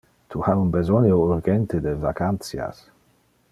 Tu ha un besonio urgente de vacantias.